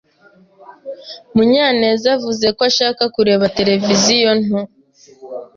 Munyanezy avuze ko ashaka kureba televiziyo nto.